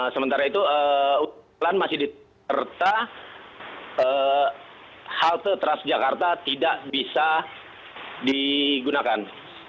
sementara itu jalan masih diserta halte transjakarta tidak bisa digunakan